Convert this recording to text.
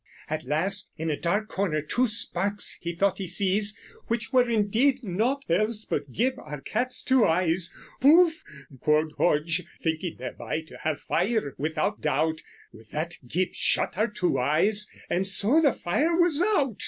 At last in a dark corner two sparkes he thought he sees Which were, indede, nought els but Gyb our cat's two eyes. "Puffe!" quod Hodge, thinking therby to have fyre without doubt; With that Gyb shut her two eyes, and so the fyre was out.